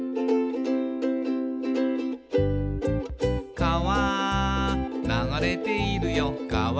「かわ流れているよかわ」